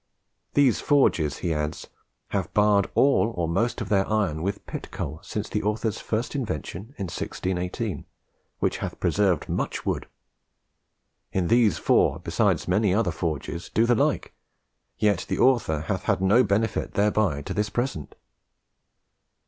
These forges, he adds, "have barred all or most part of their iron with pit coal since the authors first invention In 1618, which hath preserved much wood. In these four, besides many other forges, do the like; yet the author hath had no benefit thereby to this present."